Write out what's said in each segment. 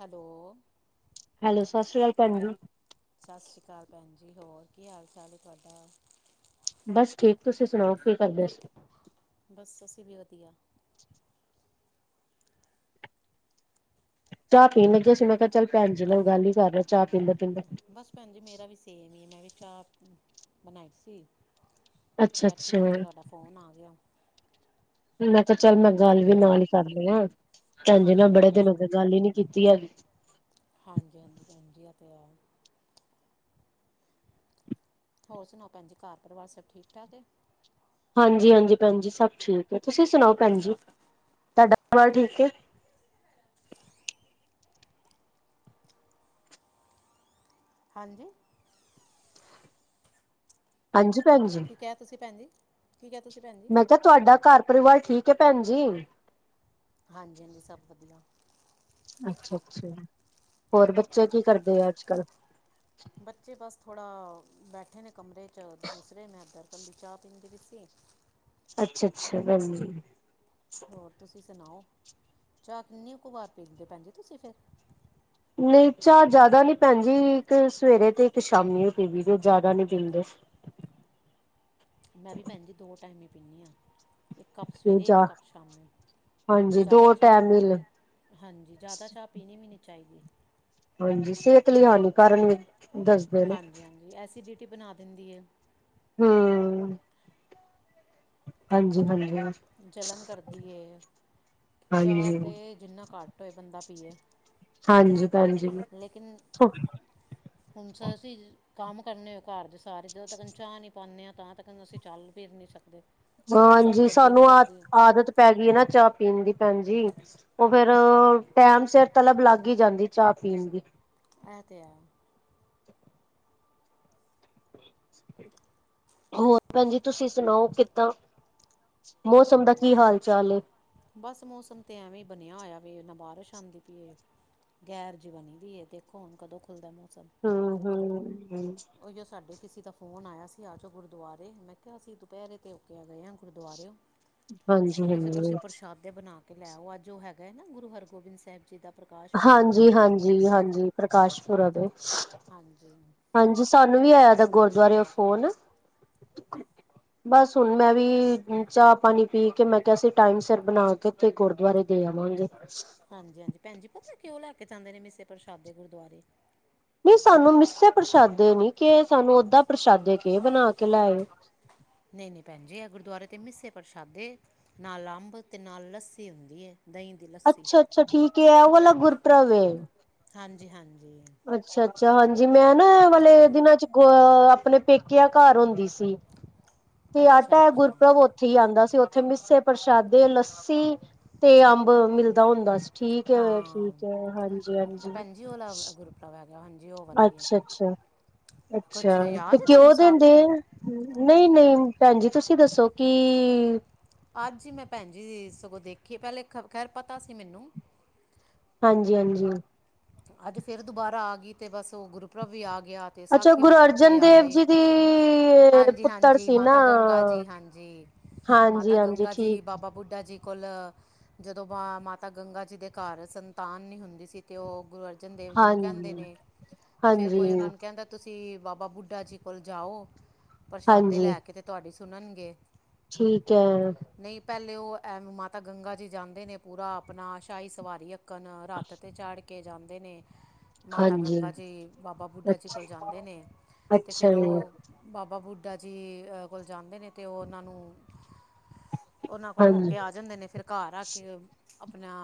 Hello! Hello, ਸਤਿ ਸ਼੍ਰੀ ਅਕਾਲ ਭੈਣ ਜੀ। ਸਤਿ ਸ਼੍ਰੀ ਅਕਾਲ ਭੈਣ ਜੀ, ਹੋਰ ਕੀ ਹਾਲ ਚਾਲ ਏ ਤੁਹਾਡਾ? ਬਸ ਠੀਕ, ਤੁਸੀਂ ਸੁਣਾਓ ਕੀ ਕਰਦੇ ਸੀ? ਬਸ ਅੱਸੀਂ ਵੀ ਵਧੀਆ। ਚਾਹ ਪੀਣ ਲਗੀ ਸੀ, ਮੈਂ ਕਿਹਾ ਚੱਲ ਭੈਣ ਜੀ ਨਾਲ ਗੱਲ ਹੀ ਕਰਲੋ ਚਾਹ ਪੀਂਦੇ-ਪੀਂਦੇ। ਬਸ ਪੈਣ ਜੀ ਮੇਰਾ ਵੀ ਸੇਮ ਏ, ਮੈਂ ਵੀ ਚਾਹ ਬਣਾਈ ਸੀ। ਅੱਛਾ ਬੈਠੀ ਅੱਛਾ ਸੀ ਤੇ ਮੈਂ ਤੁਹਾਡਾ ਫੋਨ ਆ ਗਿਆ। ਮੈਂ ਕਿਹਾ ਚੱਲ ਮੈਂ ਗੱਲ ਵੀ ਨਾਲ ਹੀ ਕਰਦੀ ਆ, ਭੈਣਜੀ ਨਾ ਹਾਂਜੀ ਬੜੇ ਹਾਂਜੀ ਦਿਨ ਹੋ ਗਏ ਗੱਲ ਨੀ ਕੀਤੀ ਹੈਗੀ। ਹਾਂਜੀ-ਹਾਂਜੀ ਭੈਣ ਜੀ ਆ ਤੇ ਏ। ਹੋਰ ਸੁਣਾਓ ਭੈਣੀ ਘਰ ਪਰਿਵਾਰ ਸਭ ਠੀਕ ਠਾਕ ਐ? ਹਾਂਜੀ-ਹਾਂਜੀ, ਭੈਣ ਜੀ, ਸਭ ਠੀਕ ਐ। ਤੁਸੀਂ ਸੁਣਾਓ ਭੈਣ ਜੀ ਤੁਹਾਡਾ ਹਾਲ ਠੀਕ ਐ? ਹਾਂਜੀ। ਪੰਜ ਭੈਣ ਜੀ। ਕਿਆ ਤੁਸੀਂ ਭੈਣ ਜੀ, ਕੀ ਕਿਹਾ ਤੁਸੀਂ ਭੈਣ ਜੀ? ਮੈਂ ਕਿਹਾ ਤੁਹਾਡਾ ਘਰ ਪਰਿਵਾਰ ਠੀਕ ਐ ਭੈਣ ਜੀ। ਹਾਂਜੀ-ਹਾਂਜੀ ਸਭ ਵਧੀਆ। ਅੱਛਾ-ਅੱਛਾ, ਹੋਰ ਬੱਚੇ ਕੀ ਕਰਦੇ ਆ ਅੱਜ ਕੱਲ? ਬੱਚੇ ਬਸ ਥੋੜ੍ਹਾ ਬੈਠੇ ਨੇ ਕਮਰੇ ਚ ਦੂਸਰੇ, ਮੈਂ ਏਦਰ ਕੱਲੀ ਚਾਹ ਪੀਂਦੀ ਪਈ ਸੀ। ਅੱਛਾ-ਅੱਛਾ, ਵੈਸੇ ਹੋਰ ਤੁਸੀਂ ਸੁਣਾਓ, ਚਾਹ ਕਿੰਨੀ ਕੁ ਬਾਰ ਪੀਂਦੇ, ਭੈਣਜੀ ਤੁਸੀਂ ਫਿਰ? ਨਈ ਚਾਹ ਜਿਆਦਾ ਨੀ ਭੈਣ ਜੀ ਇੱਕ ਸਵੇਰੇ ਤੇ, ਇੱਕ ਸ਼ਾਮੀ ਉਹ ਪੀਵ ਦੀ ਜਿਆਦਾ ਨੀ ਪੀਂਦੇ। ਮੈਂ ਵੀ ਭੈਣ ਜੀ ਦੋ ਟਾਈਮ ਇ ਪੀਂਦੀ ਆ। ਇੱਕ ਕੱਪ ਕਿ ਸਵੇਰੇ, ਇੱਕ ਜਾ ਕੱਪ ਸ਼ਾਮੀ ਹਾਂਜੀ ਦੋ ਜ਼ਿਆਦਾ ਚਾਹ ਟਾਈਮ ਮਿਲ ਪੀਣੇ, ਹਾਂਜੀ ਜ਼ਿਆਦਾ ਚਾਹ ਪੀਣੀ ਵੀ ਨਹੀਂ ਚਾਹੀਦੀ। ਹਾਂਜੀ, ਸਿਹਤ ਲਈ ਹਾਨੀਕਾਰਨ ਵੀ ਦੱਸ ਹਾਂਜੀ-ਹਾਂਜੀ, ਐਸੀਡਿਟੀ ਬਣਾ ਦਿੰਦੀ ਐ। ਹੂੰ। ਹਾਂਜੀ ਹਾਂਜੀ ਹਾਂਜੀ ਜਲਣ ਕਰਦੀ ਐ, ਹਾਂਜੀ ਚਾਹ ਜਿੰਨਾ ਘੱਟ ਟੋ ਬੰਦਾ ਪੀਏ। ਹਾਂਜੀ। ਲੇਕਿਨ ਹੁਣ ਅਸੀਂ ਕੰਮ ਕਰਨੇ ਹੋਏ ਘਰ ਦੇ, ਸਾਰੇ ਜਦੋਂ ਤੱਕ ਚਾਹ ਨਹੀਂ ਪਾਉਣੇ ਆ ਤਾਂ ਤੱਕਨ ਅਸੀਂ ਚੱਲ ਵੀਰ ਨਹੀਂ ਸਕਦੇ। ਹ ਸਾਡੀ ਹਾਂਜੀ, ਗੱਡੀ ਨਹੀਂ ਸਾਨੂੰ ਆਦ ਚੱਲਦੀ ਆਦਤ ਪੈ ਗਈ ਨਾ ਚਾਹ ਪੀਣ ਦੀ ਭੈਣ ਜੀ, ਉਹ ਫੇਰ ਟੈਮ ਸਿਰ ਤਲੱਬ ਲੱਗ ਹੀ ਜਾਂਦੀ। ਚਾਹ ਪੀਣ ਦੀ ਇਹ ਤੇ ਹੈ। ਹੋਰ ਭੈਣਜੀ ਤੁਸੀਂ ਸੁਣਾਓ ਕਿੱਦਾਂ? ਮੌਸਮ ਦਾ ਕੀ ਹਾਲ ਚਾਲ ਐ? ਬਸ ਮੌਸਮ ਤੇ ਐਵੇਂ ਹੀ ਬਣਿਆ ਹੋਇਆ ਵੇ, ਨਾ ਬਾਰਿਸ਼ ਆਂਦੀ ਪਈ ਏ। ਗੈਰ ਜਿਹ ਬਣੀ ਦੀ ਏ ਐ, ਦੇਖੋ ਹੁਣ ਕਦੋਂ ਖੁੱਲ੍ਹਦਾ ਮੌਸਮ ਹੂੰ-ਹੂੰ। ਉਹ ਸਾਡੇ ਕਿਸੇ ਦਾ ਫੋਨ ਆਇਆ ਸੀ, ਆ ਜਾਓ ਗੁਰਦੁਆਰੇ ਮੈਂ ਕਿਹਾ ਅਸੀਂ ਦੁਪਹਿਰੇ ਤੇ ਹੋ ਕੇ ਗਏ ਆ ਗੁਰਦੁਆਰੇ ਹਾਂਜੀ ਕਹਿੰਦੇ ਫਿਰ ਤੁਸੀਂ ਹਾਂਜੀ ਪ੍ਰਸ਼ਾਦੇ ਬਣਾ ਕੇ ਲੈਓ ਅੱਜ ਉਹ ਹੈਗਾ ਹੈ ਨਾ ਗੁਰੂ ਹਰਗੋਬਿੰਦ ਸਾਹਿਬ ਜੀ ਦਾ ਪ੍ਰਕਾਸ਼ ਪੁਰਬ ਹਾਂਜੀ-ਹਾਂਜੀ, ਹਾਂਜੀ ਪ੍ਰਕਾਸ਼ਪੁਰਵ ਏ। ਹਾਂਜੀ ਹਾਂਜੀ ਸਾਨੂੰ ਵੀ ਆਇਆ ਦਾ ਗੁਰਦੁਆਰੇਓ ਫੋਨ। ਬਸ ਹੁਣ ਮੈਂ ਵੀ ਚਾ ਪਾਣੀ ਪੀ ਕੇ ਮੈਂ ਕਿਹਾ ਸੀ ਟਾਈਮ ਸਿਰ ਬਣਾ ਕੇ ਤੇ ਗੁਰਦੁਆਰੇ ਦੇ ਆਵਾਂਗੇ। ਹਾਂਜੀ-ਹਾਂਜੀ ਭੈਣਜੀ ਪਤਾ ਕਿਉਂ ਲੈ ਕੇ ਜਾਂਦੇ ਨੇ ਮਿੱਸੇ ਪ੍ਰਸ਼ਾਦੇ ਗੁਰਦੁਆਰੇ? ਨਈ ਸਾਨੂੰ ਮਿਸੇ ਪ੍ਰਸ਼ਾਦੇ ਨੀ ਕੇ ਸਾਨੂੰ ਓਦਾਂ ਪ੍ਰਸ਼ਾਦੇ ਕੇ ਬਣਾ ਕੇ ਲੈ ਆਇਓ। ਨਈਂ-ਨਈਂ ਭੈਣ ਜੀ ਇਹ ਗੁਰਦੁਆਰੇ ਤੇ ਮਿੱਸੇ ਪ੍ਰਸ਼ਾਦੇ ਨਾਲ ਅੰਬ ਤੇ ਨਾਲ ਲੱਸੀ ਹੁੰਦੀ ਹੈ ਦਈ ਅੱਛਾ-ਅੱਛਾ ਠੀਕ ਉਹ ਵਾਲਾ ਗੁਰਪੁਰਬ ਏ। ਹਾਂਜੀ-ਹਾਂਜੀ ਅੱਛਾ-ਅੱਛਾ ਹਾਂਜੀ ਮੈਂ ਨਾ ਵਾਲੇ ਦਿਨਾਂ ਚ ਗ ਆਪਣੇ ਪੇਕਿਆਂ ਘਰ ਹੁੰਦੀ ਸੀ। ਤੇ ਅੱਛਾ ਆਟਾ ਅੱਛਾ ਗੁਰਪੁਰਬ ਉੱ ਥੇ ਹੀ ਆਉਂਦਾ ਸੀ ਉੱਥੇ ਮਿੱਸੇ ਪ੍ਰਸ਼ਾਦੇ, ਲੱਸੀ ਤੇ ਅੰਬ ਮਿਲਦਾ ਹੁੰਦਾ ਸੀ। ਠੀਕ ਹੈ-ਠੀਕ ਹਾਂ ਹੈ ਹਾਂਜੀ-ਹਾਂਜੀ। ਭੈਣ ਜੀ ਉਹਲਾ ਗੁਰਪੁਰਬ ਹੈਗਾ ਹਾਂਜੀ ਉਹ ਵਾਲਾ ਹੀ ਹੈਗਾ ਅੱਛਾ-ਅੱਛਾ, ਕੁਛ ਅੱਛਾ ਤੇ ਯਾਦ ਹੈ ਤੁਹਾਨੂੰ ਕਿਉ ਦਿੰਦੇ। ਸਾਖੀ ਨਈਂ-ਨਈਂ ਭੈਣ ਜੀ ਤੁਸੀਂ ਦੱਸੋ ਕਿ ਅੱਜ ਜੀ ਮੈਂ ਭੈਣ ਜੀ ਸਗੋਂ ਦੇਖੀ ਏ ਪਹਿਲੇ ਖ ਖੈਰ ਪਤਾ ਸੀ ਮੈਨੂੰ। ਹਾਂਜੀ-ਹਾਂਜੀ ਅੱਜ ਫੇਰ ਦੁਬਾਰਾ ਆ ਗਈ ਅਤੇ ਬਸ ਉਹ ਗੁਰਪੁਰਬ ਵੀ ਆ ਗਿਆ। ਤੇ ਅੱਛਾ ਸਾਖੀ ਵੀ ਗੁਰੂ ਚੇਤੇ ਅਰਜਨ ਆ ਦੇਵ ਗਏ ਜੀ ਦੀ ਪੁੱਤਰ ਹਾਂਜੀ-ਹਾਂਜੀ ਸੀ ਨਾ ਮਾਤਾ ਗੰਗਾ ਜੀ ਹਾਂਜੀ। ਮਾਤਾ ਹਾਂਜੀ ਹਾਂਜੀ ਗੰਗਾ ਜੀ ਠੀਕ ਬਾਬਾ ਬੁੱਢਾ ਜੀ ਕੋਲ ਜਦੋਂ ਬਾ ਮਾਤਾ ਗੰਗਾ ਜੀ ਦੇ ਘਰ ਸੰਤਾਨ ਨੀ ਹੁੰਦੀ ਸੀ ਤੇ ਉਹ ਗੁਰੂ ਅਰਜਨ ਦੇਵ ਜੀ ਨੂੰ ਕਹਿੰਦੇ ਹਾਂਜੀ ਨੇ ਤੇ ਫਿਰ ਹਾਂਜੀ ਕੋਈ ਉਹਨਾਂ ਨੂੰ ਕਹਿੰਦਾ ਤੁਸੀਂ ਬਾਬਾ ਬੁੱਢਾ ਜੀ ਕੋਲ ਜਾਓ ਪ੍ਰਸ਼ਾਦੇ ਹਾਂਜੀ ਲੈ ਕੇ ਤੇ ਤੁਹਾਡੀ ਸੁਣਨਗੇ। ਠੀਕ ਐ। ਨਹੀ ਪਹਿਲੇ ਉਹ ਮਾਤਾ ਗੰਗਾ ਜੀ ਜਾਂਦੇ ਨੇ ਪੂਰਾ ਆਪਣਾ ਸ਼ਾਹੀ ਸਵਾਰੀ ਅਕਨ ਰੱਥ ਤੇ ਝੜ ਕੇ ਜਾਂਦੇ ਨੇ। ਮਾਤਾ ਹਾਂਜੀ ਗੰਗਾ ਜੀ ਬਾਬਾ ਬੁੱਢਾ ਜੀ ਅੱਛਾ ਕੋਲ ਜਾਂਦੇ ਨੇ ਅਤੇ ਅੱਛਾ ਫੇਰ ਜੀ ਉਹ ਬਾਬਾ ਬੁੱਢਾ ਜੀ ਅ ਕੋਲ ਜਾਂਦੇ ਨੇ ਤੇ ਉਹ ਉਹਨਾਂ ਨੂੰ ਉਨਾਂ ਕੋਲ ਹੋ ਹਾਂਜੀ ਕੇ ਆ ਜਾਂਦੇ ਨੇ ਫੇਰ ਘਰ ਆ ਕੇ ਆਪਣਾ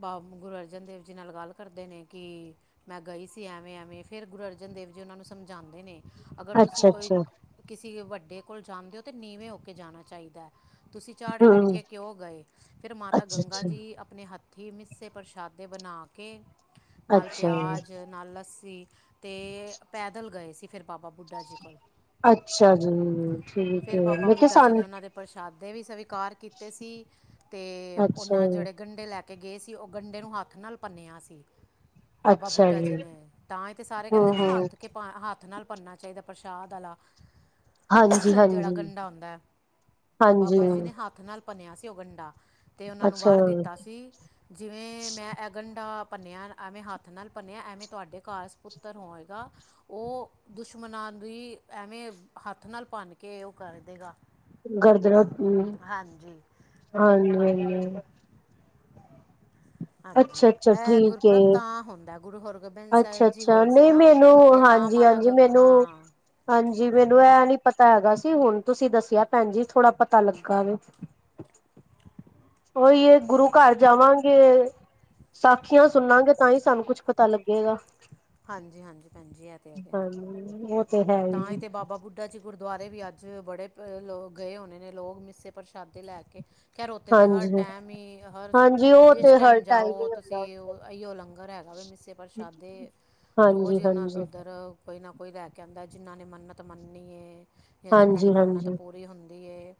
ਬਾਬ ਗੁਰੂ ਅਰਜਨ ਦੇਵ ਜੀ ਨਾਲ ਗੱਲ ਕਰਦੇ ਨੇ ਕਿ ਮੈਂ ਗਈ ਸੀ ਐਵੇਂ-ਐਵੇਂ ਫਿਰ ਗੁਰੂ ਅਰਜਨ ਦੇਵ ਜੀ ਉਹਨਾਂ ਨੂੰ ਸਮਝਾਉਂਦੇ ਨੇ ਅਗਰ ਤੁਸੀਂ ਅੱਛਾ ਕੋਈ ਅੱਛਾ ਕਿਸੇ ਵੱਡੇ ਕੋਲ ਜਾਂਦੇ ਹੋ ਤਾਂ ਨੀਵੇਂ ਹੋ ਕੇ ਜਾਣਾ ਚਾਹੀਦਾ। ਤੁਸੀਂ ਝਾੜ ਪੀੜ ਹਮ ਕੇ ਕਿਉਂ ਗਏ ਫਿਰ ਮਾਤਾ ਅੱਛਾ ਗੰਗਾ ਅੱਛਾ ਜੀ ਆਪਣੇ ਹੱਥ ਠੀ ਮਿੱਸੇ ਪ੍ਰਸ਼ਾਦੇ ਬਣਾ ਕੇ ਨਾਲ ਅੱਛਾ ਜੀ ਪਿਆਜ਼ ਨਾਲ ਲਸੀ ਤੇ ਪੈਦਲ ਗਏ ਸੀ ਫੇਰ। ਬਾਬਾ ਬੁੱਢਾ ਜੀ ਕੋਲ ਅੱਛਾ ਜੀ ਠੀਕ ਫੇਰ ਹੈ ਬਾਬਾ ਮੈਂ ਕਿਹਾ ਬੁੱਢਾ ਜੀ ਨੇ ਸਾਨੂੰ ਉਨਾਂ ਦੇ ਪ੍ਰਸ਼ਾਦੇ ਵੀ ਸਵੀਕਾਰ ਕੀਤੇ ਸੀ ਤੇ ਅੱਛਾ ਉਨਾਂ ਜੇੜੇ ਗੰਡੇ ਲੈ ਕੇ ਗਏ ਸੀ ਉਹ ਗੰਡੇ ਨੂੰ ਹੱਥ ਨਾਲ ਪੰੰਨਿਆ ਸੀ। ਬਾਬਾ ਬੁੱਢਾ ਜੀ ਨੇ ਤਾਂ ਹੀ ਤੇ ਸਾਰੇ ਹਮ ਕਹਿੰਦੇ ਨਾ ਹਮ ਹੱਥ ਕੇ ਭਾ ਹੱਥ ਨਾਲ ਭਨਨਾ ਚਾਹੀਦਾ ਪ੍ਰਸ਼ਾਦ ਆਲਾ। ਹਾਂਜੀ ਜੇੜਾ ਹਾਂਜੀ ਗੰਡਾ ਹੁੰਦਾ ਹੈ ਹਾਂਜੀ ਬਾਬਾ ਜੀ ਨੇ ਹ ਥ ਨਾਲ ਭਣਿਆ ਸੀ ਉਹ ਗੰਡਾ ਤੇ ਉਹਨਾਂ ਨੂੰ ਅੱਛਾ ਵਰ ਦਿੱਤਾ ਸੀ ਜਿਵੇਂ ਮੈਂ ਐ ਗੰਡਾ ਭੰਨਿਆ ਐਵੇਂ ਹੱਥ ਨਾਲ ਭੰਨਿਆ ਐਵੇਂ ਤੁਹਾਡੇ ਘਾਸ ਪੁੱਤਰ ਹੋਏਗਾ ਉਹ ਦੁਸ਼ਮਣਾਂ ਦੀ ਐਵੇਂ ਹੱਥ ਨਾਲ ਭੰਨ ਕੇ ਉਹ ਕਰ ਦੇਗਾ। ਗਰਦਨ ਉਹ ਹਾਂਜੀ ਹਾਂਜੀ-ਹਾਂਜੀ। ਹਾਂਜੀ ਅੱਛਾ ਅੱਛਾ ਐ ਠੀਕ ਗੁਰਪੁਰਬ ਏ ਤਾਂ ਹੁੰਦਾ ਗੁਰੂ ਹਰ ਗੋਬਿੰਦ ਅੱਛਾ ਸਾਹਿਬ ਜੀ ਅੱਛਾ ਹੋਏ ਸੀ ਨਹੀਂ ਨਾ, ਮੈਨੂੰ ਤੇ ਤਾਂ ਹਾਂਜੀ ਮਾਤਾ ਹਾਂਜੀ ਗੰ ਮੈਨੂੰ ਹਾਂ ਹਾਂਜੀ ਮੈਨੂੰ ਇਹ ਨੀ ਪਤਾ ਹੈਗਾ ਸੀ, ਹੁਣ ਤੁਸੀਂ ਦੱਸਿਆ ਭੈਣ ਜੀ ਥੋੜਾ ਪਤਾ ਲੱਗਾ ਵੇ। ਉਹੀ ਹੈ, ਗੁਰੂ ਘਰ ਜਾਵਾਂਗੇ ਸਾਖੀਆਂ ਸੁਣਾਂਗੇ, ਤਾਂ ਹੀ ਸਾਨੂੰ ਕੁੱਛ ਪਤਾ ਲੱਗੇਗਾ। ਹਾਂਜੀ ਹਾਂਜੀ ਭੈਣਜੀ, ਇਹ ਤੇ ਹੈਗੇ। ਉਹ ਤੇ ਹੈ ਤਾਂ ਇਹ ਹੀ ਤੇ ਬਾਬਾ ਬੁੱਢ ਦਾ ਜੇ ਗੁਰਦੁਆਰੇ ਵੀ ਅੱਜ ਬੜੇ ਗਏ ਹੋਣੇ ਨੇ, ਲੋਕ ਮਿੱਸੇ ਪ੍ਰਸ਼ਾਦੇ ਲੈ ਕੇ, ਖਰੋਤੇ 'ਤੇ ਹਰ ਹਾਂਜੀ ਟਾਈਮ ਹੀ ਹਰ, ਹਾਂਜੀ ਉਹ ਜਿਸ ਤੇ ਹਰ ਟਾਈਮ ਜਾਓ ਹੀ ਹੁੰਦਾ ਤੁਸੀਂ ਉੱਥੇ ਉਹ ਇਹੀਓ ਲੰਗਰ ਹੈਗਾ ਵੇ ਮਿਸੇ ਪਰਸ਼ਾਦੇ, ਹਾਂਜੀ ਰੋਜ਼ ਉਹਨਾ ਹਾਂਜੀ ਉੱਧਰ, ਕੋਈ ਨਾ ਕੋਈ ਲੈ ਕੇ ਆਉਂਦਾ, ਜਿਨ੍ਹਾਂ ਨੇ ਮੰਨਤ ਮੰਨਨੀ ਹੈ ਜਾਂ ਜਿਨ੍ਹਾਂ ਦੀ ਹਾਂਜੀ ਮੰਨਤ ਹਾਂਜੀ ਪੂਰੀ ਹੁੰਦੀ ਹੈ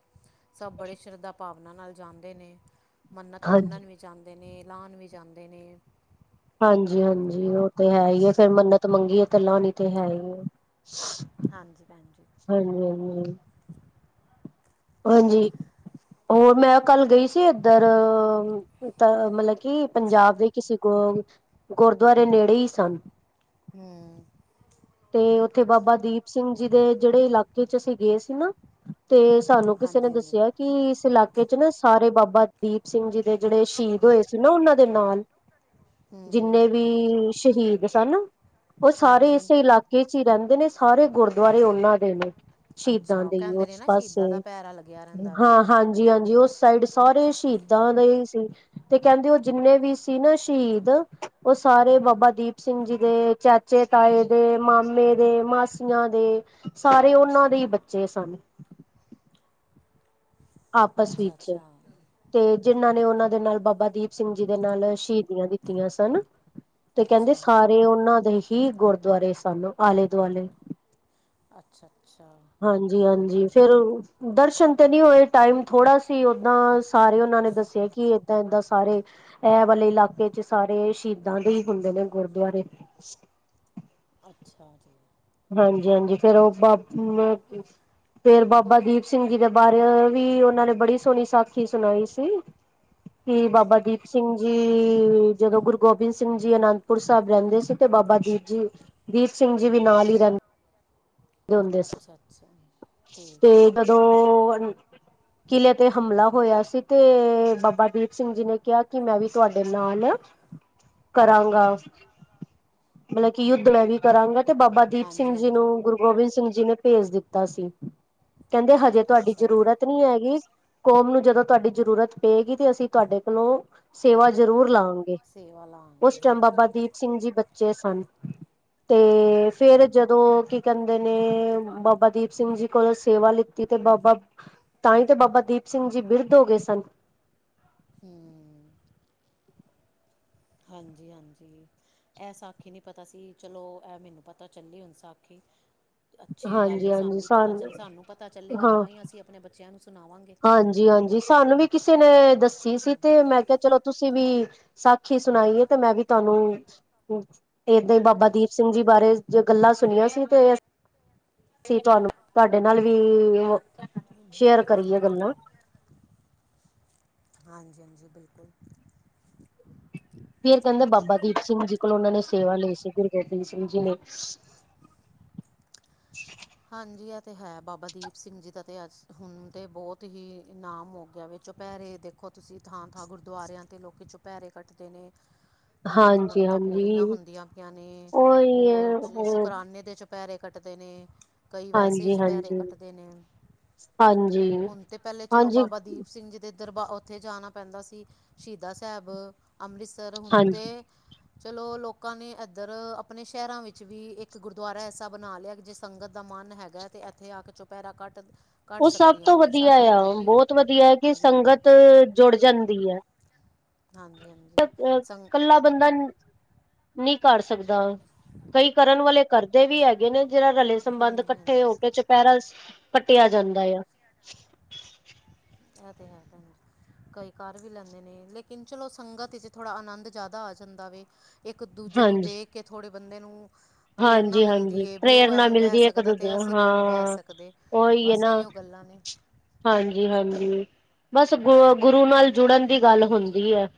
ਸਭ ਬੜੇ ਸ਼ਰਧਾ ਭਾਵਨਾ ਨਾਲ ਜਾਂਦੇ ਨੇ, ਮੰਨਤ ਹਾਂਜੀ ਮੰਨਣ ਵਿੱਚ ਜਾਂਦੇ ਨੇ, ਲਾਨ ਵੀ ਜਾਂਦੇ ਨੇ, ਹਾਂਜੀ- ਹਾਂਜੀ ਉਹ ਤੇ ਹੈ ਹੀ, ਫੇਰ ਮੰਨਤ ਮੰਗੀਏ ਤਲਾਂ ਨੀ ਤੇ ਹੈ ਹੀ, ਹਾਂਜੀ, ਭੈਣ ਜੀ ਹਾਂਜੀ- ਹਾਂਜੀ ਹ ਹਾਂਜੀ, ਹੋਰ ਮੈਂ ਕੱਲ ਗਈ ਸੀ। ਇੱਧਰ, ਤਾਂ ਮਤਲਬ ਕਿ ਪੰਜਾਬ ਦੇ ਕਿਸੇ ਗੁ ਗੁਰ ਗੁਰਦੁਆਰੇ ਨੇੜੇ ਹੀ ਸਨ। ਹੂੰ, ਤੇ ਉੱਥੇ ਬਾਬਾ ਦੀਪ ਸਿੰਘ ਜੀ ਦੇ ਜਿਹੜੇ ਇਲਾਕੇ 'ਚ ਅਸੀਂ ਗਏ ਸੀ ਨਾ, ਤੇ, ਸਾਨੂੰ ਕਿਸੇ ਨੇ ਹਾਂਜੀ ਹਾਂਜੀ ਦੱਸਿਆ ਕਿ ਇਸ ਇਲਾਕੇ 'ਚ ਨਾ ਸਾਰੇ ਬਾਬਾ ਦੀਪ ਸਿੰਘ ਜੀ ਦੇ ਜਿਹੜੇ ਸ਼ਹੀਦ ਹੋਏ ਸੀ ਨਾ, ਉਹਨਾਂ ਦੇ ਨਾਲ ਹੂੰ ਜਿੰਨੇ ਹੂੰ ਵੀ ਸ਼ਹੀਦ ਸਨ, ਉਹ ਸਾਰੇ ਹਾਂਜੀ ਇਸੇ ਇਲਾਕ ਕੇ 'ਚ ਹੀ ਰਹਿੰਦੇ ਨੇ, ਸਾਰੇ ਗੁਰਦੁਆਰੇ ਉਹਨਾਂ ਦੇ ਨੇ, ਸ਼ਹੀਦਾਂ ਅੱਛਾ ਉਹ ਦੇ, ਕਹਿੰਦੇ ਨੇ ਉਸ ਨਾ ਪਾਸੇ ਸ਼ਹੀਦਾਂ ਦਾ ਪੈਰਾ ਲੱਗਿਆ ਰਹਿੰਦਾ ਵੇ ਹਾਂ। ਹਾਂਜੀ -ਹਾਂਜੀ ਉਸ ਸਾਈਡ, ਸਾਰੇ ਸ਼ਹੀਦਾਂ ਦੇ ਹੀ ਸੀ ਤੇ ਕਹਿੰਦੇ ਉਹ ਜਿੰਨੇ ਵੀ ਸੀ ਨਾ ਸ਼ਹੀਦ, ਉਹ ਸਾਰੇ ਬਾਬਾ ਦੀਪ ਸਿੰਘ ਜੀ ਦੇ, ਚਾਚੇ -ਤਾਏ ਦੇ ਤਾਏ ਮਾਮੇ ਦੇ, ਮਾਸੀਆਂ ਦੇ ਸਾਰੇ ਉਹਨਾਂ ਦੇ ਹੀ ਬੱਚੇ ਸਨ। ਆਪਸ ਅੱਛਾ ਵਿੱਚ, ਅੱਛਾ ਤੇ, ਜਿਨ੍ਹਾਂ ਨੇ ਉਹਨਾਂ ਦੇ ਨਾਲ ਬਾਬਾ ਦੀਪ ਸਿੰਘ ਜੀ ਦੇ ਨਾਲ ਸ਼ਹੀਦੀਆਂ ਦਿੱਤੀਆਂ ਸਨ। ਤੇ ਕਹਿੰਦੇ, ਅੱਛਾ ਜੀ ਸਾਰੇ ਉਹਨਾਂ ਦੇ ਹੀ ਗੁਰਦੁਆਰੇ ਸਨ ਆਲੇ -ਦੁਆਲੇ ਅੱਛਾ, ਅੱਛਾ ਹਾਂਜੀ- ਠੀਕ ਹਾਂਜੀ ਹੈ ਫੇਰ ਦਰਸ਼ਨ ਤੇ ਨਹੀ ਹੋਏ, ਟਾਈਮ ਥੋੜ੍ਹਾ ਸੀ ਓਦਾਂ, ਸਾਰੇ ਉਹਨਾ ਨੇ ਦੱਸਿਆ ਕਿ ਏਦਾਂ-ਏਦਾਂ ਸਾਰੇ। ਇਹ ਵਾਲੇ ਇਲਾਕੇ 'ਚ ਸਾਰੇ ਸ਼ਹੀਦਾਂ ਦੇ ਹੀ ਹੁੰਦੇ ਨੇ ਗੁਰਦੁਆਰੇ ਅਛਾ ਜੀ- ਹਾਂਜੀ- ਹਾਂਜੀ ਫੇਰ ਉਹ ਬਾ, ਫੇਰ ਬਾਬਾ ਦੀਪ- ਸਿੰਘ ਜੀ ਦੇ ਬਾਰੇ ਵੀ,, ਉਹਨਾਂ ਨੇ ਬੜੀ ਸੋਹਣੀ ਸਾਖੀ ਸੁਣਾਈ ਸੀ। ਕਿ ਬਾਬਾ ਦੀਪ ਸਿੰਘ ਜੀ, ਜਦੋਂ ਗੁਰੂ ਗੋਬਿੰਦ ਸਿੰਘ ਜੀ ਅਨੰਦਪੁਰ ਸਾਹਿਬ। ਰਹਿੰਦੇ ਸੀ ਤੇ ਬਾਬਾ ਦੀਪ ਜੀ, ਦੀਪ ਸਿੰਘ ਜੀ ਵੀ ਨਾਲ ਹੀ ਰਹਿੰਦੇ। ਹੁੰਦੇ ਅਛਾ- ਅਛਾ ਠੀਕ ਹੈ। ਤੋ ਕਿਲੇ ਤੇ ਹਮਲਾ ਹੋਇਆ ਸੀ ਤੇ, ਬਾਬਾ ਬਾਬਾ ਦੀਪ ਸਿੰਘ ਜੀ ਨੇ ਕਿਹਾ ਕਿ ਮੈਂ ਵੀ ਤੁਹਾਡੇ ਨਾਲ, ਕਰਾਂਗਾ। ਮਤਲਬ ਕਿ, ਯੁੱਧ ਮੈਂ ਵੀ ਕਰਾਂਗਾ। ਤੇ ਬਾਬਾ ਦੀਪ ਸਿੰਘ ਹਾਂਜੀ ਜੀ ਹਾਂਜੀ ਨੂੰ, ਗੁਰੂ ਗੋਬਿੰਦ ਸਿੰਘ ਜੀ ਨੇ ਭੇਜ ਦਿਤਾ ਸੀ। ਕਹਿੰਦੇ ਹਜੇ, ਤੁਹਾਡੀ ਅੱਛਾ ਜ਼ਰੂਰਤ ਨਹੀ ਹੈਗੀ। ਕੌਮ ਨੂੰ ਜਦੋਂ ਤੁਹਾਡੀ ਜ਼ਰੂਰਤ ਪਏਗੀ, ਤੇ ਅਸੀਂ ਤੁਹਾਡੇ ਕੋਲੋਂ ਸੇਵਾ ਜ਼ਰੂਰ ਲਾਾਂਗੇ, ਸੇਵਾ ਉਸ ਲਾਂਗੇ ਟਾਈਮ ਬਾਬਾ ਹਾਂਜੀ ਦੀਪ ਸਿੰਘ ਜੀ ਬ ਚੇ ਸਨ ਤੇ ਫੇਰ ਜਦੋਂ ਕਿ ਕਹਿੰਦੇ ਨੇ ਬਾਬਾ ਦੀਪ ਸਿੰਘ ਜੀ ਕੋਲੋਂ ਸੇਵਾ ਲਿੱਤੀ। ਤੇ ਬਾਬਾ ਤਾਂਹੀ ਤੇ ਬਾਬਾ ਦੀਪ ਸਿੰਘ ਜੀ ਬਿਰਦ ਹੋ ਗਏ ਸਨ। ਹੂੰ ਹਾਂਜੀ -ਹਾਂਜੀ। ਇਹ ਸਾਖੀ ਨਹੀ ਪਤਾ ਸੀ ਚਲੋ ਇਹ ਮੈਨੂੰ ਪਤਾ ਚਲੀ ਹੁਣ ਸਾਖੀ। ਅਛੀ ਗੱਲ ਹਾਂਜੀ ਏ ਹਾਂਜੀ ਸਾਨੂੰ ਵੀ ਪਤਾ ਚਲ ਸਾਨੂੰ ਪਤਾ ਚਲੇਗਾ ਤਾਂ ਹੀ ਅਸੀ ਆਪਣੇ ਬੱਚਿਆਂ ਨੂੰ ਸੁਣਾਵਾਂਗੇ। ਹਾਂਜੀ, ਹਾਂਜੀ ਸਾਨੂੰ ਵੀ ਕਿਸੇ ਨੇ ਦੱਸੀ ਸੀ ਤੇ ਮੈਂ ਕਿਹਾ ਚਲੋ ਤੁਸੀਂ ਵੀ। ਸਾਖੀ ਸੁਣਾਈਏ ਤੇ ਮੈ ਵੀ ਤੁਹਾਨੂੰ ਏਦਾਂ ਈ ਬਾਬਾ ਦੀਪ ਸਿੰਘ ਜੀ ਬਾਰੇ ਜ ਗੱਲਾਂ ਸੁਣੀਆਂ ਸੀ ਤੇ ਅਸੀ ਤੁਹਾਨੂੰ ਤੁਹਾਡੇ ਨਾਲ ਵੀ ਸ਼ੇਅਰ ਕਰੀਏ ਗੱਲਾ ਹਾਂਜੀ- ਹਾਂਜੀ ਬਿਲਕੁਲ। ਫਿਰ ਕਹਿਦੇ ਬਾਬਾ ਦੀਪ ਸਿੰਘ ਜੀ ਕੋਲ ਉਹਨਾਂ ਨੇ ਸੇਵਾ ਲਈ ਸੀ ਗੁਰੂ ਗੋਬਿੰਦ ਸਿੰਘ ਜੀ ਨੇ ਹਾਂਜੀ ਇਹ ਤੇ ਹੈ, ਬਾਬਾ ਦੀਪ ਸਿੰਘ ਜੀ ਦਾ ਤਾਂ ਅੱਜ ਹੁਣ ਤੇ ਬਹੁਤ ਹੀ ਇਨਾਮ ਹੋ ਗਿਆ ਵਿੱਚ। ਪੈਰੇ ਦੇਖੋ ਤੁਸੀ ਥਾਂ- ਥਾਂ ਗੁਰਦੁਆਰਿਆਂ ਤੇ ਲੋਕੀ ਚੋਪੈਰੇ ਕੱਟਦੇ ਨੇ [inaudible] ਕਈਆਂ ਦੀ ਮੰਨਤਾ ਪੂਰੀਆਂ ਹਾਂਜੀ-ਹਾਂਜੀ ਹੁੰਦੀਆਂ ਪਈਆਂ ਨੇ ਉਹੀ ਹੈ ਉਹ ਸ਼ੁਕਰਾਨੇ ਦੇ ਚ ਪੈਰੇ ਕੱਟਦੇ ਨੇ ਕਈ ਵੈਸੇ ਹੀ ਚੁਪਹਿਰੇ ਹਾਂਜੀ-ਹਾਂਜੀ ਕੱਟਦੇ ਨੇ ਹੁਣ ਤੇ ਪਹਿਲੇ ਚਲੋ ਬਾਬਾ ਹਾਂਜੀ-ਹਾਂਜੀ-ਹਾਂਜੀ ਦੀਪ ਸਿੰਘ ਜੀ ਦੇ ਦਰਬਾਰ ਉਥੇ ਜਾਣਾ ਪੈਦਾ ਸੀ ਸ਼ਹੀਦਾ ਸਾਹਿਬ ਅੰਮ੍ਰਿਤਸਰ ਹੁਣ ਤੇ ਚਲੋ ਲੋਕਾਂ ਨੇ ਇਧਰ ਆਪਣੇ ਸ਼ਹਿਰਾਂ ਵਿਚ ਵੀ ਇਕ ਗੁਰਦੁਆਰਾ ਐਸਾ ਬਣਾ ਲਿਆ ਜੇ ਸੰਗਤ ਦਾ ਮਨ ਹੈਗਾ ਤੇ ਇਥੇ ਆ ਕੇ ਚੁਪਹਿਰਾ ਕੱਟ ਕੱਟ ਉਹ ਸਭ ਸਕਦੀਆਂ ਤੋ ਨੇ ਵਧੀਆ ਸਾਡੇ ਆ ਇੱਧਰ ਵੀ ਬਹੁਤ ਵਧੀਆ ਹੈ ਕਿ ਹਾਂਜੀ ਸੰਗਤ ਜੁੜ ਜਾਦੀ ਹੈ। ਹਾਂਜੀ ਅ ਹਾਂਜੀ ਸੰਗ ਕੱਲਾ ਬੰਦਾ, ਨਹੀ ਕਰ ਸਕਦਾ। ਕਈ ਕਰਨ ਵਾਲੇ ਕਰਦੇ ਵੀ ਹੈਗੇ ਨੇ ਜਿਹੜਾ ਰਲੇ ਸੰਬੰਧ ਹਾਂਜੀ ਇਕੱਠੇ ਹਾਂਜੀ ਹੋ ਕੇ [unintelligible] ਕੱਟਿਆ ਜਾਂਦਾ ਆ। ਇਹ ਤੇ ਹੈ ਭੈਣਜੀ। ਕਈ ਕਰ ਵੀ ਲੈਦੇ ਨੇ ਲੇਕਿਨ ਚਲੋ ਸੰਗਤ ਵਿਚ ਥੋੜ੍ਹਾ ਆਨੰਦ ਜਿਆਦਾ ਆ ਜਾਦਾ ਵੇ। ਇਕ ਦੂਜੇ ਨੂੰ ਹਾਂਜੀ। ਦੇਖ ਕੇ ਥੋੜ੍ਹੇ ਬੰਦੇ ਨੂੰ ਪ੍ਰੇਰਨਾ ਹਾਂਜੀ ਹਾਂਜੀ ਮਿਲਦੀ ਹੈ ਵੀ ਉਹ ਪ੍ਰੇਰਨਾ ਐਵੇਂ ਬਹਿ ਮਿਲਦੀ ਹੈ ਇੱਕ ਸਕਦਾ ਦੂਜੇ ਤੇ ਨੂੰ ਅਸੀਂ ਕਿਉਂ ਨਹੀਂ ਬਹਿ ਹਾਂ ਸਕਦੇ ਉਹੀ ਹੈ ਬਸ ਨਾ ਇਹੀਯੋ ਮ [inaudible] ਹਾਂਜੀ -ਹਾਂਜੀ ਬਸ ਗੁ ਗੁਰੂ ਨਾਲ ਜੁੜਨ ਦੀ ਗੱਲ ਹੁੰਦੀ ਹੈ।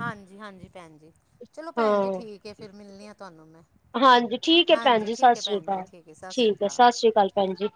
ਹਾਂਜੀ- ਹਾਂਜੀ ਭੈਣ ਜੀ ਚਲੋ ਭੈਣ ਜੀ, ਹਾਂ ਠੀਕ ਹੈ ਫਿਰ ਮਿਲਣੀ ਆ ਤੁਹਾਨੂੰ ਮੈਂ। ਹਾਂਜੀ, ਠੀਕ ਹੈ ਭੈਣ ਹਾਂਜੀ ਜੀ ਸਤਿ ਠੀਕ ਹੈ ਸ਼੍ਰੀ ਭੈਣ ਜੀ ਅਕਾਲ ਹੈ ਸਤਿ ਸ਼੍ਰੀ ਠੀਕ ਹੈ ਸਤਿ ਸ਼੍ਰੀ ਅਕਾਲ ਭੈਣ ਜੀ।